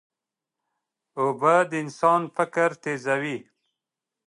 اوبه د انسان فکر تیزوي.